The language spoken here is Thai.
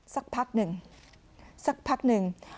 สักพักหนึ่งสักพักหนึ่ง